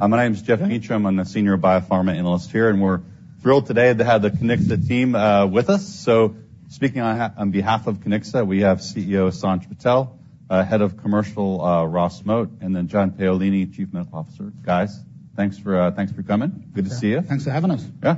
My name's Geoff Meacham. I'm a senior biopharma analyst here, and we're thrilled today to have the Kiniksa team with us. So speaking on behalf of Kiniksa, we have CEO Sanj Patel, Head of Commercial Ross Moat, and then John Paolini, Chief Medical Officer. Guys, thanks for coming. Good to see you. Thanks for having us. Yeah.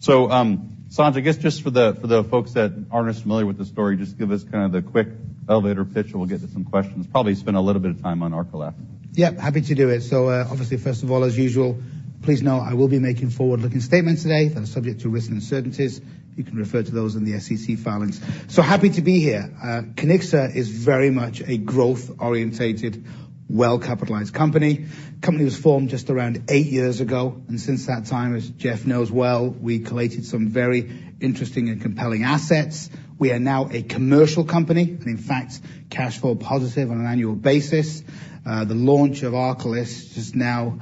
So, Sanj, I guess just for the folks that aren't as familiar with the story, just give us kind of the quick elevator pitch, and we'll get to some questions. Probably spend a little bit of time on ARCALYST. Yeah, happy to do it. So, obviously, first of all, as usual, please know I will be making forward-looking statements today that are subject to risk and uncertainties. You can refer to those in the SEC filings. So happy to be here. Kiniksa is very much a growth-oriented, well-capitalized company. Company was formed just around 8 years ago, and since that time, as Geoff knows well, we've collated some very interesting and compelling assets. We are now a commercial company and, in fact, cash flow positive on an annual basis. The launch of ARCALYST just now,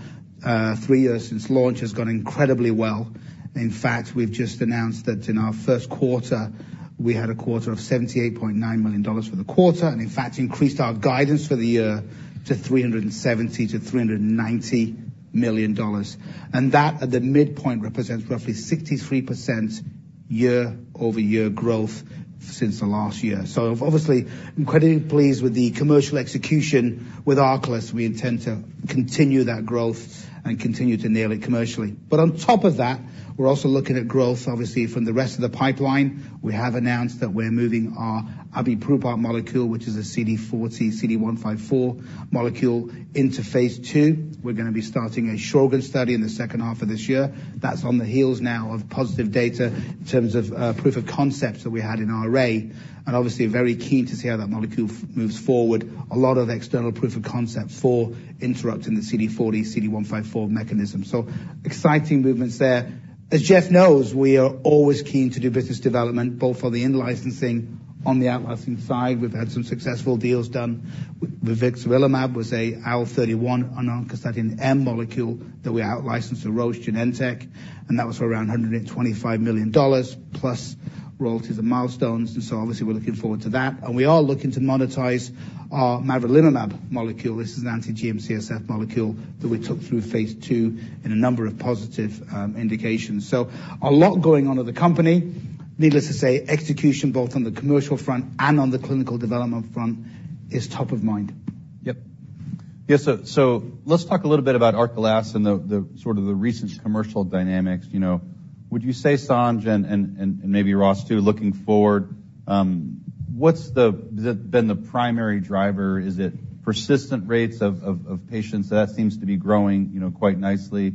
three years since launch, has gone incredibly well. In fact, we've just announced that in our first quarter, we had a quarter of $78.9 million for the quarter and, in fact, increased our guidance for the year to $370 million-$390 million. That, at the midpoint, represents roughly 63% year-over-year growth since the last year. So obviously, incredibly pleased with the commercial execution with ARCALYST. We intend to continue that growth and continue to nail it commercially. But on top of that, we're also looking at growth, obviously, from the rest of the pipeline. We have announced that we're moving our abiprubart molecule, which is a CD40/CD154 molecule, into phase II. We're going to be starting a Sjögren’s study in the second half of this year. That's on the heels now of positive data in terms of proof of concept that we had in our RA. And obviously, very keen to see how that molecule moves forward. A lot of external proof of concept for interrupting the CD40/CD154 mechanism. So exciting movements there. As Geoff knows, we are always keen to do business development, both for the in-licensing on the outlicensing side. We've had some successful deals done with vixarelimab, which was an IL-31 oncostatin M molecule that we outlicensed to Roche/Genentech. And that was for around $125 million plus royalties and milestones. And so obviously, we're looking forward to that. And we are looking to monetize our mavrilimumab molecule. This is an anti-GM-CSF molecule that we took through phase II in a number of positive indications. So a lot going on with the company. Needless to say, execution both on the commercial front and on the clinical development front is top of mind. Yep. Yeah, so let's talk a little bit about ARCALYST and the, the sort of the recent commercial dynamics. You know, would you say Sanj and maybe Ross too, looking forward, what's the has it been the primary driver? Is it persistent rates of patients? That seems to be growing, you know, quite nicely.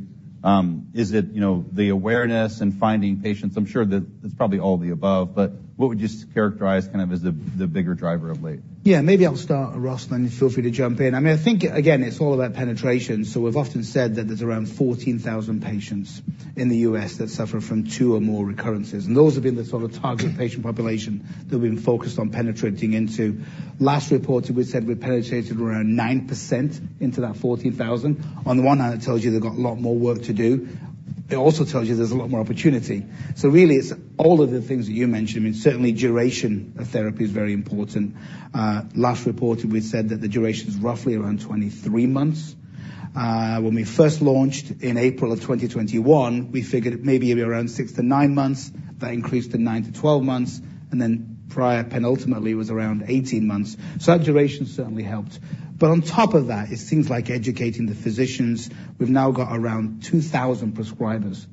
Is it, you know, the awareness and finding patients? I'm sure that it's probably all the above, but what would you characterize kind of as the bigger driver of late? Yeah, maybe I'll start, Ross, and then feel free to jump in. I mean, I think, again, it's all about penetration. So we've often said that there's around 14,000 patients in the U.S. that suffer from two or more recurrences. And those have been the sort of target patient population that we've been focused on penetrating into. Last reported, we said we penetrated around 9% into that 14,000. On the one hand, it tells you they've got a lot more work to do. It also tells you there's a lot more opportunity. So really, it's all of the things that you mentioned. I mean, certainly, duration of therapy is very important. Last reported, we said that the duration's roughly around 23 months. When we first launched in April of 2021, we figured it maybe be around 6-9 months. That increased to 9-12 months. And then prior penultimately was around 18 months. So that duration certainly helped. But on top of that, it seems like educating the physicians. We've now got around 2,000 prescribers,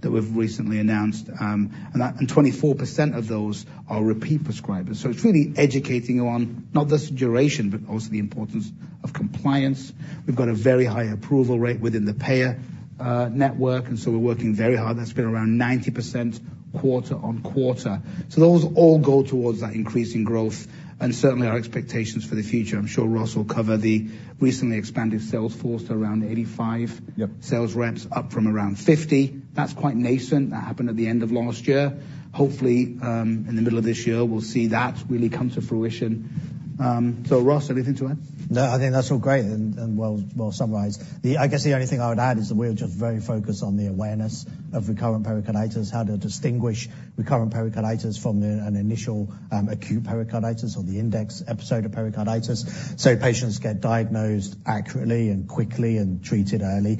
that we've recently announced, and that and 24% of those are repeat prescribers. So it's really educating you on not just duration but also the importance of compliance. We've got a very high approval rate within the payer network, and so we're working very hard. That's been around 90% quarter-over-quarter. So those all go towards that increasing growth. And certainly, our expectations for the future, I'm sure Ross will cover the recently expanded sales force to around 85. Yep. Sales reps, up from around 50. That's quite nascent. That happened at the end of last year. Hopefully, in the middle of this year, we'll see that really come to fruition. So Ross, anything to add? No, I think that's all great and well summarized. I guess the only thing I would add is that we're just very focused on the awareness of recurrent pericarditis, how to distinguish recurrent pericarditis from an initial, acute pericarditis or the index episode of pericarditis. So patients get diagnosed accurately and quickly and treated early.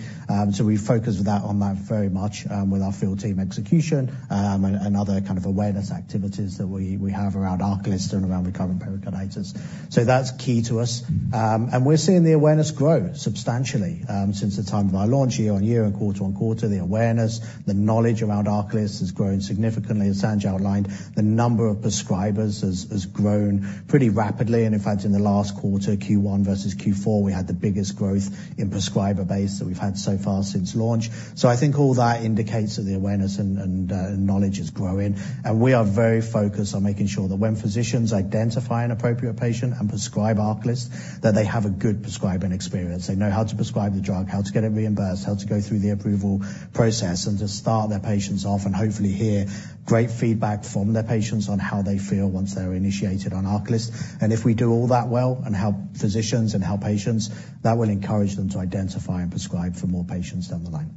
So we focus on that very much, with our field team execution, and other kind of awareness activities that we have around ARCALYST and around recurrent pericarditis. So that's key to us. And we're seeing the awareness grow substantially, since the time of our launch, year-over-year, and quarter-over-quarter. The awareness, the knowledge around ARCALYST has grown significantly, as Sanj outlined. The number of prescribers has grown pretty rapidly. And in fact, in the last quarter, Q1 versus Q4, we had the biggest growth in prescriber base that we've had so far since launch. So I think all that indicates that the awareness and knowledge is growing. And we are very focused on making sure that when physicians identify an appropriate patient and prescribe ARCALYST, that they have a good prescribing experience. They know how to prescribe the drug, how to get it reimbursed, how to go through the approval process, and to start their patients off and hopefully hear great feedback from their patients on how they feel once they're initiated on ARCALYST. And if we do all that well and help physicians and help patients, that will encourage them to identify and prescribe for more patients down the line.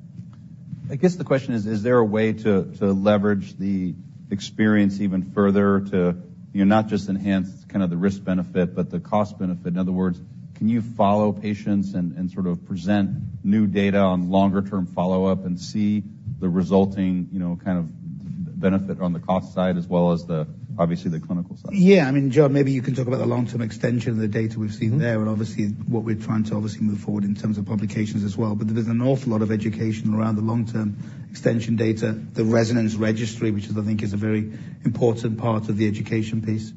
I guess the question is, is there a way to leverage the experience even further to, you know, not just enhance kind of the risk benefit but the cost benefit? In other words, can you follow patients and sort of present new data on longer-term follow-up and see the resulting, you know, kind of benefit on the cost side as well as obviously the clinical side? Yeah. I mean, John, maybe you can talk about the long-term extension of the data we've seen there. And obviously, what we're trying to obviously move forward in terms of publications as well. But there's an awful lot of education around the long-term extension data, the RESONANCE registry, which I think is a very important part of the education piece.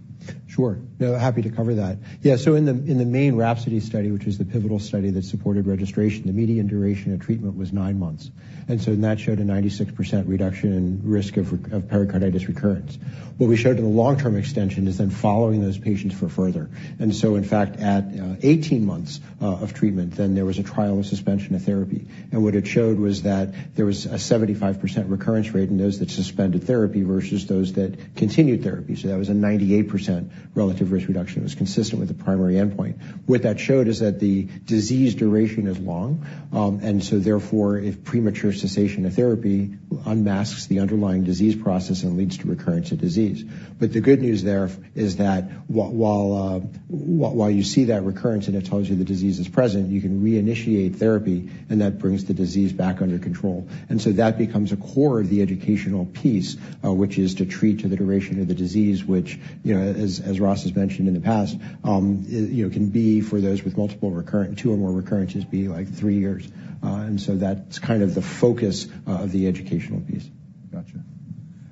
Sure. Yeah, happy to cover that. Yeah, so in the main RHAPSODY study, which was the pivotal study that supported registration, the median duration of treatment was 9 months. And so that showed a 96% reduction in risk of pericarditis recurrence. What we showed in the long-term extension is then following those patients for further. And so in fact, at 18 months of treatment, then there was a trial of suspension of therapy. And what it showed was that there was a 75% recurrence rate in those that suspended therapy versus those that continued therapy. So that was a 98% relative risk reduction. It was consistent with the primary endpoint. What that showed is that the disease duration is long, and so therefore, if premature cessation of therapy unmasks the underlying disease process and leads to recurrence of disease. But the good news there is that while you see that recurrence and it tells you the disease is present, you can reinitiate therapy, and that brings the disease back under control. And so that becomes a core of the educational piece, which is to treat to the duration of the disease, which, you know, as Ross has mentioned in the past, you know, can be for those with multiple recurrent 2 or more recurrences be like 3 years. And so that's kind of the focus of the educational piece. Gotcha.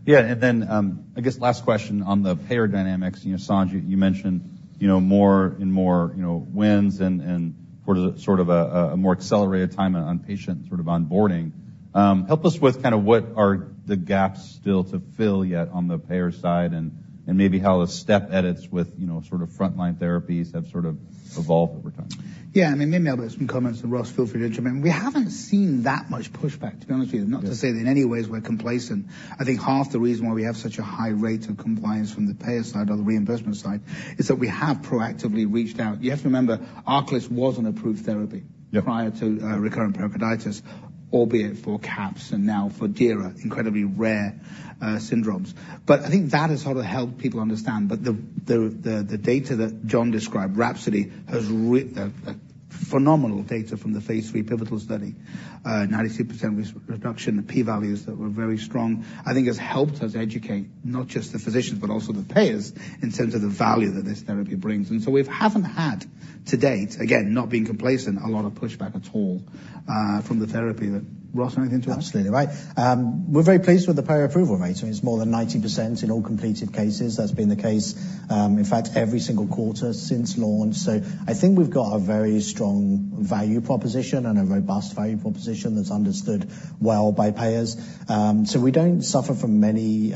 Yeah, and then, I guess last question on the payer dynamics. You know, Sanj, you mentioned, you know, more and more, you know, wins and towards a sort of a more accelerated time on patient sort of onboarding. Help us with kind of what are the gaps still to fill yet on the payer side and maybe how the step edits with, you know, sort of frontline therapies have sort of evolved over time? Yeah, I mean, maybe I'll add some comments. And Ross, feel free to jump in. We haven't seen that much pushback, to be honest with you. Not to say that in any ways we're complacent. I think half the reason why we have such a high rate of compliance from the payer side or the reimbursement side is that we have proactively reached out. You have to remember, ARCALYST was an approved therapy. Yep. Prior to recurrent pericarditis, albeit for CAPS and now for DIRA, incredibly rare syndromes. But I think that has sort of helped people understand. But the data that John described, RHAPSODY, has really phenomenal data from the phase III pivotal study, 96% reduction, the p-values that were very strong, I think has helped us educate not just the physicians but also the payers in terms of the value that this therapy brings. And so we haven't had to date, again, not being complacent, a lot of pushback at all from the payers on the therapy. Ross, anything to add? Absolutely, right. We're very pleased with the payer approval rate. I mean, it's more than 90% in all completed cases. That's been the case, in fact, every single quarter since launch. So I think we've got a very strong value proposition and a robust value proposition that's understood well by payers. So we don't suffer from many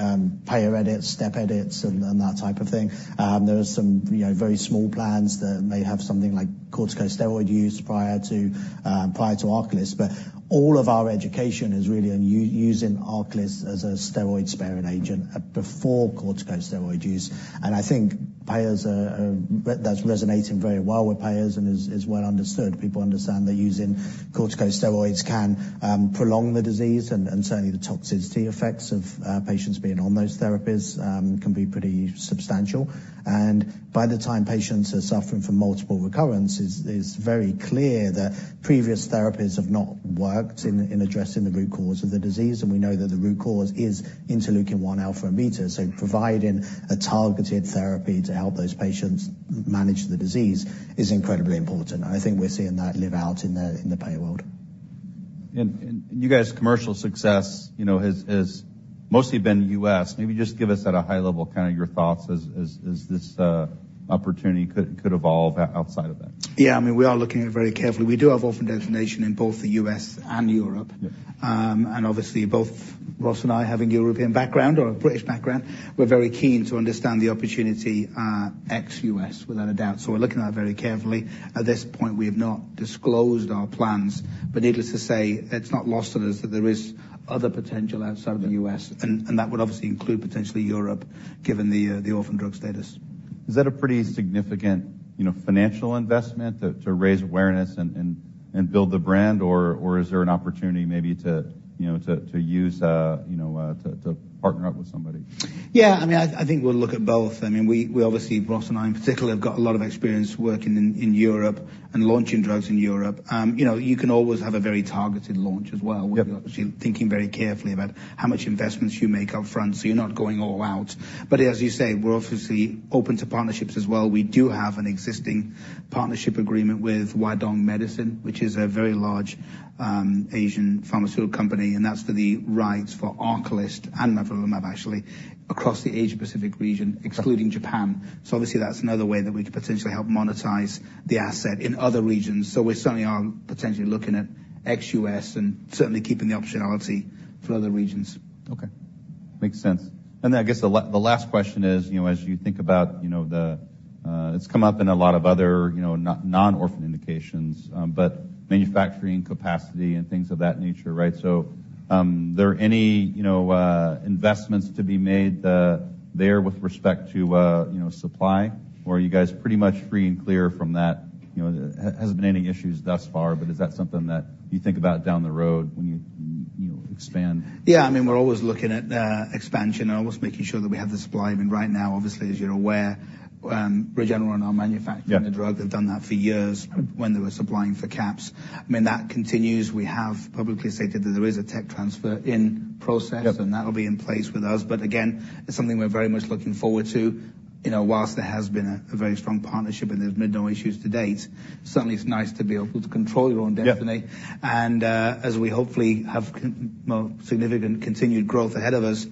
payer edits, step edits, and that type of thing. There are some, you know, very small plans that may have something like corticosteroid use prior to ARCALYST. But all of our education is really on using ARCALYST as a steroid-sparing agent before corticosteroid use. And I think that's resonating very well with payers and is well understood. People understand that using corticosteroids can prolong the disease, and certainly the toxicity effects of patients being on those therapies can be pretty substantial. By the time patients are suffering from multiple recurrences, it's very clear that previous therapies have not worked in addressing the root cause of the disease. We know that the root cause is interleukin-1 alpha and beta. Providing a targeted therapy to help those patients manage the disease is incredibly important. I think we're seeing that live out in the payer world. And you guys' commercial success, you know, has mostly been U.S. Maybe just give us at a high level kind of your thoughts as this opportunity could evolve outside of that. Yeah, I mean, we are looking at it very carefully. We do have orphan drug designation in both the U.S. and Europe. Yep. and obviously, both Ross and I, having European background or a British background, we're very keen to understand the opportunity, ex-US, without a doubt. So we're looking at that very carefully. At this point, we have not disclosed our plans. But needless to say, it's not lost on us that there is other potential outside of the US. And, and that would obviously include potentially Europe given the orphan drug status. Is that a pretty significant, you know, financial investment to raise awareness and build the brand? Or is there an opportunity maybe to, you know, to use, you know, to partner up with somebody? Yeah, I mean, I think we'll look at both. I mean, we obviously, Ross and I in particular, have got a lot of experience working in Europe and launching drugs in Europe. You know, you can always have a very targeted launch as well. Yep. We're obviously thinking very carefully about how much investments you make upfront so you're not going all out. But as you say, we're obviously open to partnerships as well. We do have an existing partnership agreement with Huadong Medicine, which is a very large, Asian pharmaceutical company. And that's for the rights for ARCALYST and mavrilimumab, actually, across the Asia-Pacific region, excluding Japan. So obviously, that's another way that we could potentially help monetize the asset in other regions. So we certainly are potentially looking at ex-US and certainly keeping the optionality for other regions. Okay. Makes sense. And then I guess the last question is, you know, as you think about, you know, the, it's come up in a lot of other, you know, non-orphaned indications, but manufacturing capacity and things of that nature, right? So, are there any, you know, investments to be made, there with respect to, you know, supply? Or are you guys pretty much free and clear from that? You know, has there been any issues thus far? But is that something that you think about down the road when you, you know, expand? Yeah, I mean, we're always looking at expansion and always making sure that we have the supply. I mean, right now, obviously, as you're aware, Regeneron are manufacturing the drug. They've done that for years when they were supplying for CAPS. I mean, that continues. We have publicly stated that there is a tech transfer in process. Yep. That'll be in place with us. But again, it's something we're very much looking forward to. You know, whilst there has been a very strong partnership and there's been no issues to date, certainly it's nice to be able to control your own destiny. Yep. As we hopefully have, well, significant continued growth ahead of us,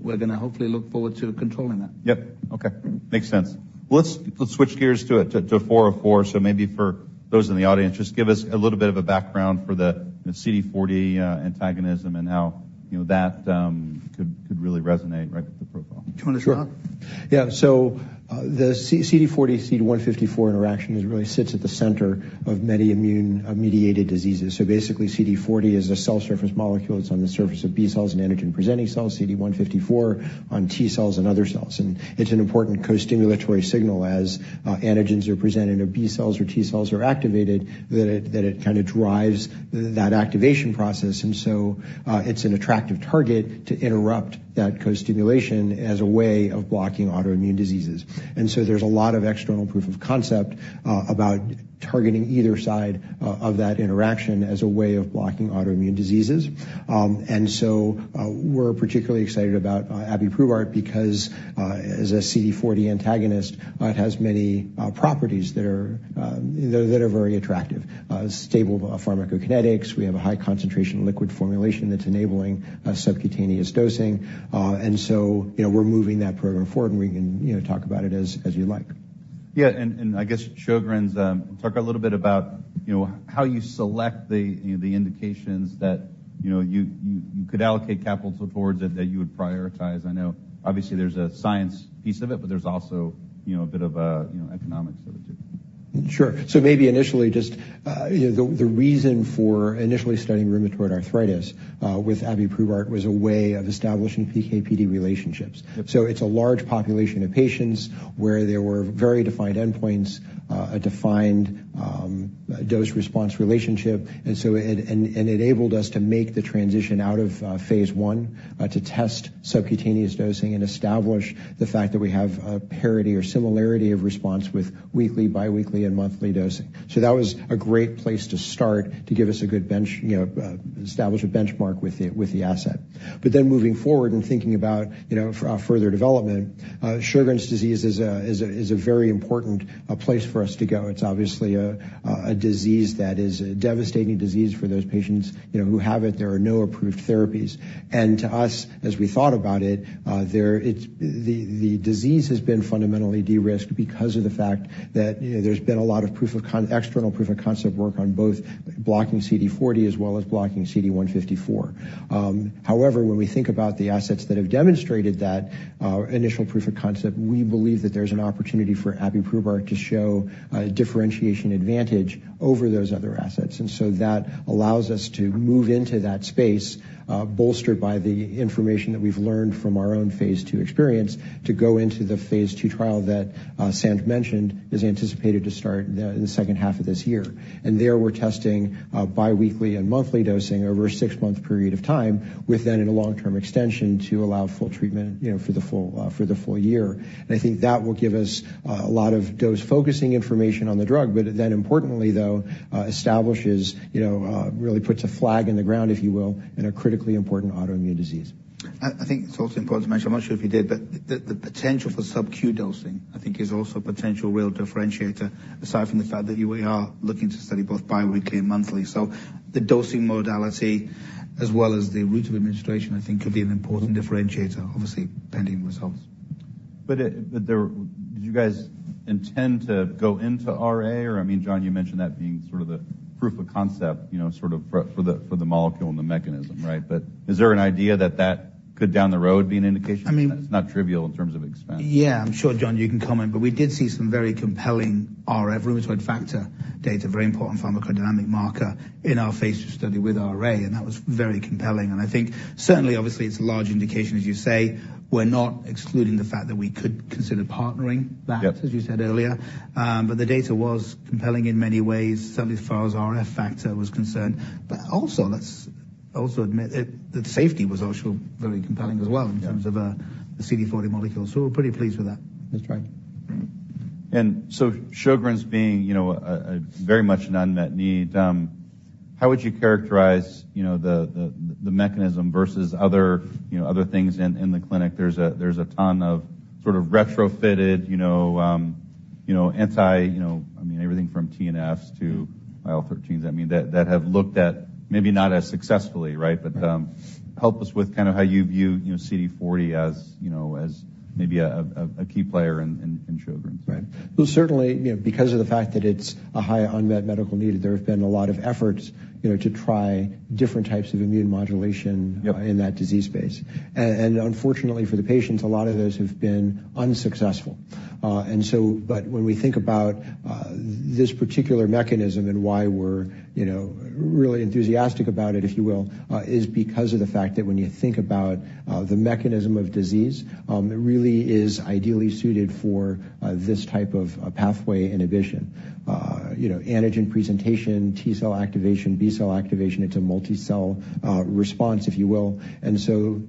we're going to hopefully look forward to controlling that. Yep. Okay. Makes sense. Well, let's switch gears to 404. So maybe for those in the audience, just give us a little bit of a background for the, you know, CD40 antagonism and how, you know, that could really resonate right with the profile. Do you want to start? Sure. Yeah. So, the CD40/CD154 interaction really sits at the center of many immune-mediated diseases. So basically, CD40 is a cell surface molecule that's on the surface of B cells and antigen-presenting cells, CD154 on T cells and other cells. And it's an important co-stimulatory signal as antigens are presented or B cells or T cells are activated, that it kind of drives that activation process. And so, it's an attractive target to interrupt that co-stimulation as a way of blocking autoimmune diseases. And so there's a lot of external proof of concept about targeting either side of that interaction as a way of blocking autoimmune diseases. So, we're particularly excited about abiprubart because, as a CD40 antagonist, it has many properties that are very attractive: stable pharmacokinetics. We have a high concentration liquid formulation that's enabling subcutaneous dosing. And so, you know, we're moving that program forward, and we can, you know, talk about it as, as you'd like. Yeah, and, and I guess Sjögren's, talk a little bit about, you know, how you select the, you know, the indications that, you know, you, you, you could allocate capital towards it that you would prioritize. I know obviously, there's a science piece of it, but there's also, you know, a bit of a, you know, economics of it too. Sure. So maybe initially just, you know, the reason for initially studying rheumatoid arthritis with abiprubart was a way of establishing PK/PD relationships. Yep. So it's a large population of patients where there were very defined endpoints, a defined dose-response relationship. And so it enabled us to make the transition out of phase I to test subcutaneous dosing and establish the fact that we have a parity or similarity of response with weekly, biweekly, and monthly dosing. So that was a great place to start to give us a good benchmark, you know, with the asset. But then moving forward and thinking about, you know, further development, Sjögren's disease is a very important place for us to go. It's obviously a disease that is a devastating disease for those patients, you know, who have it. There are no approved therapies. And to us, as we thought about it, there it's the disease has been fundamentally de-risked because of the fact that, you know, there's been a lot of proof of concept external proof of concept work on both blocking CD40 as well as blocking CD154. However, when we think about the assets that have demonstrated that initial proof of concept, we believe that there's an opportunity for abiprubart to show differentiation advantage over those other assets. And so that allows us to move into that space, bolstered by the information that we've learned from our own phase II experience to go into the phase II trial that Sanj mentioned is anticipated to start in the second half of this year. And there we're testing biweekly and monthly dosing over a six-month period of time with then in a long-term extension to allow full treatment, you know, for the full, for the full year. And I think that will give us a lot of dose-focusing information on the drug, but then importantly, though, establishes, you know, really puts a flag in the ground, if you will, in a critically important autoimmune disease. I think it's also important to mention. I'm not sure if you did, but the potential for sub-Q dosing, I think, is also a potential real differentiator aside from the fact that you we are looking to study both biweekly and monthly. So the dosing modality as well as the route of administration, I think, could be an important differentiator, obviously, pending results. But did you guys intend to go into RA? Or, I mean, John, you mentioned that being sort of the proof of concept, you know, sort of for the molecule and the mechanism, right? But is there an idea that that could down the road be an indication? I mean. That's not trivial in terms of expense. Yeah, I'm sure, John, you can comment. But we did see some very compelling RF, rheumatoid factor data, very important pharmacodynamic marker in our phase II study with RA. And that was very compelling. And I think certainly, obviously, it's a large indication, as you say. We're not excluding the fact that we could consider partnering that. Yep. As you said earlier, but the data was compelling in many ways, certainly as far as RF factor was concerned. But also, let's also admit that, that safety was also very compelling as well in terms of the CD40 molecule. So we're pretty pleased with that. That's right. Sjögren's being, you know, a very much an unmet need. How would you characterize, you know, the mechanism versus other, you know, other things in the clinic? There's a ton of sort of retrofitted, you know, you know, anti you know, I mean, everything from TNFs to IL-13s. I mean, that have looked at maybe not as successfully, right? But help us with kind of how you view, you know, CD40 as, you know, as maybe a key player in Sjögren's. Right. Well, certainly, you know, because of the fact that it's a high unmet medical need, there have been a lot of efforts, you know, to try different types of immune modulation. Yep. In that disease space. Unfortunately for the patients, a lot of those have been unsuccessful. But when we think about this particular mechanism and why we're, you know, really enthusiastic about it, if you will, is because of the fact that when you think about the mechanism of disease, it really is ideally suited for this type of pathway inhibition. You know, antigen presentation, T-cell activation, B-cell activation. It's a multi-cell response, if you will. And so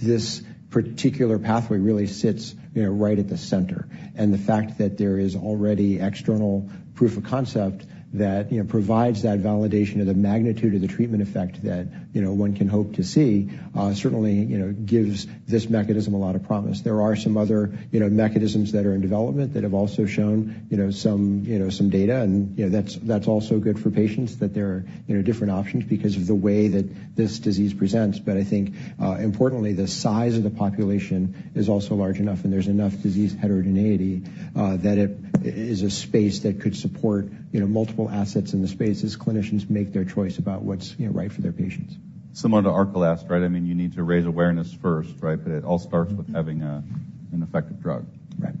this particular pathway really sits, you know, right at the center. And the fact that there is already external proof of concept that, you know, provides that validation of the magnitude of the treatment effect that, you know, one can hope to see, certainly, you know, gives this mechanism a lot of promise. There are some other, you know, mechanisms that are in development that have also shown, you know, some, you know, some data. You know, that's, that's also good for patients that there are, you know, different options because of the way that this disease presents. But I think, importantly, the size of the population is also large enough, and there's enough disease heterogeneity, that it is a space that could support, you know, multiple assets in the space as clinicians make their choice about what's, you know, right for their patients. Similar to ARCALYST, right? I mean, you need to raise awareness first, right? But it all starts with having an effective drug. Right.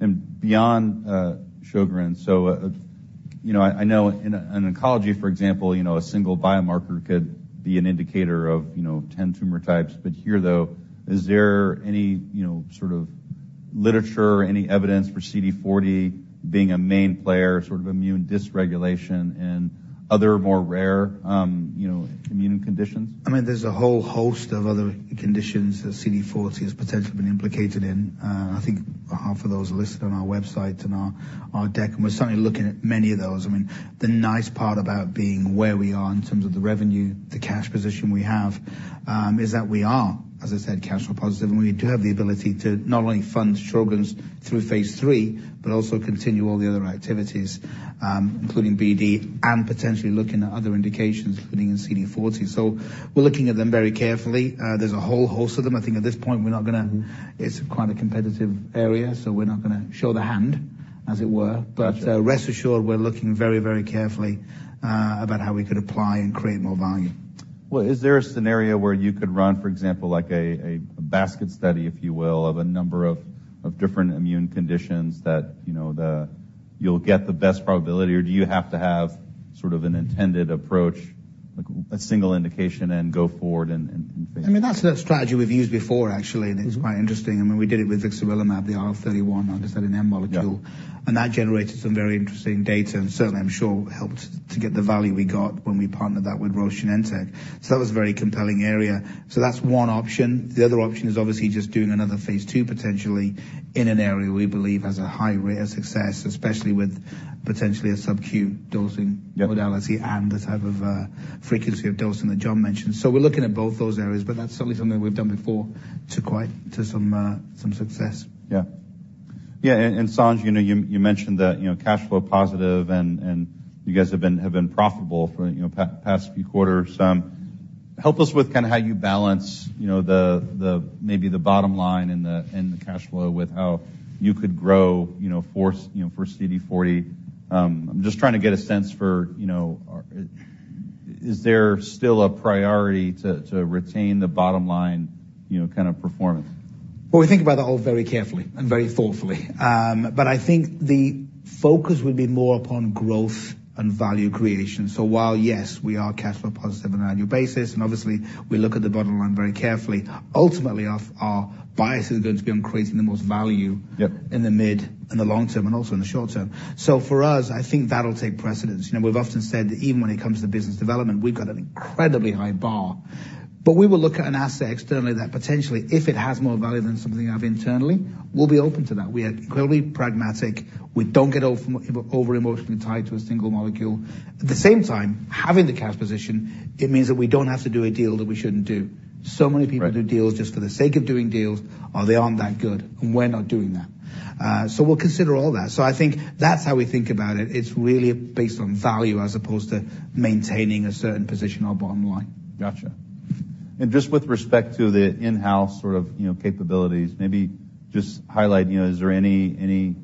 And beyond Sjögren's, so, you know, I, I know in, in oncology, for example, you know, a single biomarker could be an indicator of, you know, 10 tumor types. But here, though, is there any, you know, sort of literature, any evidence for CD40 being a main player, sort of immune dysregulation in other more rare, you know, immune conditions? I mean, there's a whole host of other conditions that CD40 has potentially been implicated in. I think half of those are listed on our website and our, our deck. And we're certainly looking at many of those. I mean, the nice part about being where we are in terms of the revenue, the cash position we have, is that we are, as I said, cash flow positive. And we do have the ability to not only fund Sjögren's through phase III but also continue all the other activities, including BD and potentially looking at other indications, including in CD40. So we're looking at them very carefully. There's a whole host of them. I think at this point, we're not going to. It's quite a competitive area, so we're not going to show the hand, as it were. Rest assured, we're looking very, very carefully about how we could apply and create more value. Well, is there a scenario where you could run, for example, like a basket study, if you will, of a number of different immune conditions that, you know, you'll get the best probability? Or do you have to have sort of an intended approach, like a single indication, and go forward in phase III? I mean, that's a strategy we've used before, actually. And it's quite interesting. I mean, we did it with vixarelimab, the OSM, like I said, an M molecule. And that generated some very interesting data. And certainly, I'm sure, helped to get the value we got when we partnered that with Roche and Genentech. So that was a very compelling area. So that's one option. The other option is obviously just doing another phase II potentially in an area we believe has a high rate of success, especially with potentially a sub-Q dosing modality and the type of, frequency of dosing that John mentioned. So we're looking at both those areas, but that's certainly something that we've done before to quite some success. Yeah. Yeah. And Sanj, you know, you mentioned that, you know, cash flow positive and you guys have been profitable for, you know, past few quarters. Help us with kind of how you balance, you know, the maybe the bottom line and the cash flow with how you could grow, you know, for CD40. I'm just trying to get a sense for, you know, is there still a priority to retain the bottom line, you know, kind of performance? Well, we think about the whole very carefully and very thoughtfully. But I think the focus would be more upon growth and value creation. So while, yes, we are cash flow positive on an annual basis, and obviously, we look at the bottom line very carefully, ultimately, our, our bias is going to be on creating the most value. Yep. In the medium- and long-term and also in the short term. So for us, I think that'll take precedence. You know, we've often said that even when it comes to business development, we've got an incredibly high bar. But we will look at an asset externally that potentially, if it has more value than something you have internally, we'll be open to that. We are incredibly pragmatic. We don't get over emotionally tied to a single molecule. At the same time, having the cash position, it means that we don't have to do a deal that we shouldn't do. So many people do deals just for the sake of doing deals, or they aren't that good. And we're not doing that. So we'll consider all that. So I think that's how we think about it. It's really based on value as opposed to maintaining a certain position or bottom line. Gotcha. And just with respect to the in-house sort of, you know, capabilities, maybe just highlight, you know, is there any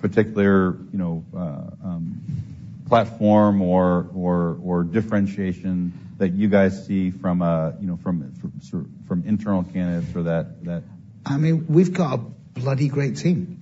particular, you know, platform or differentiation that you guys see from, you know, from internal candidates or that? I mean, we've got a bloody great team.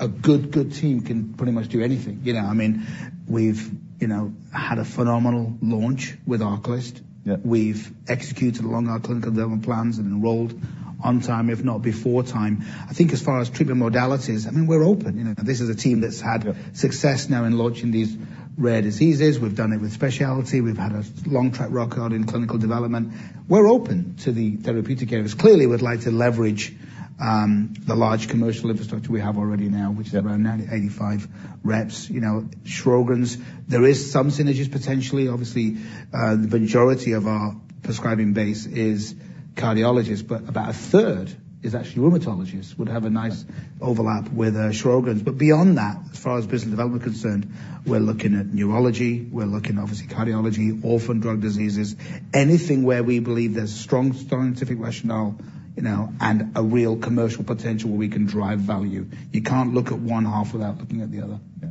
A good, good team can pretty much do anything. You know, I mean, we've, you know, had a phenomenal launch with ARCALYST. Yep. We've executed along our clinical development plans and enrolled on time, if not before time. I think as far as treatment modalities, I mean, we're open. You know, this is a team that's had success now in launching these rare diseases. We've done it with specialty. We've had a long track record in clinical development. We're open to the therapeutic areas. Clearly, we'd like to leverage the large commercial infrastructure we have already now, which is around 85 reps. You know, Sjögren's, there is some synergies potentially. Obviously, the majority of our prescribing base is cardiologists, but about a third is actually rheumatologists, would have a nice overlap with Sjögren's. But beyond that, as far as business development concerned, we're looking at neurology. We're looking at, obviously, cardiology, orphan drug diseases, anything where we believe there's strong scientific rationale, you know, and a real commercial potential where we can drive value. You can't look at one half without looking at the other. Yeah.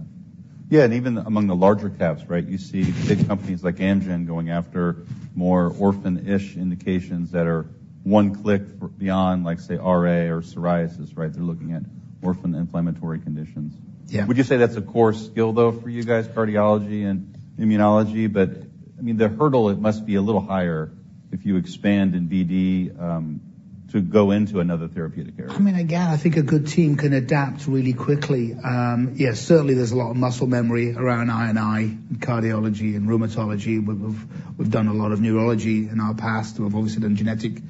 Yeah. And even among the larger caps, right, you see big companies like Amgen going after more orphan-ish indications that are one click beyond, like, say, RA or psoriasis, right? They're looking at orphan inflammatory conditions. Yeah. Would you say that's a core skill, though, for you guys, cardiology and immunology? But I mean, the hurdle, it must be a little higher if you expand in BD, to go into another therapeutic area. I mean, again, I think a good team can adapt really quickly. Yeah, certainly, there's a lot of muscle memory around IL-1, cardiology, and rheumatology. We've done a lot of neurology in our past. We've obviously done genetic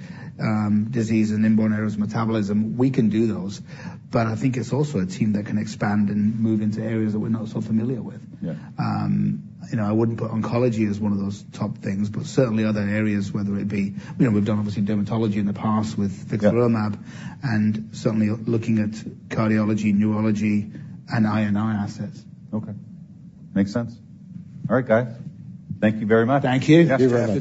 disease and inborn errors of metabolism. We can do those. But I think it's also a team that can expand and move into areas that we're not so familiar with. Yeah. You know, I wouldn't put oncology as one of those top things, but certainly other areas, whether it be, you know, we've done, obviously, dermatology in the past with vixarelimab. Certainly looking at cardiology, neurology, and immunology assets. Okay. Makes sense. All right, guys. Thank you very much. Thank you. You're very welcome.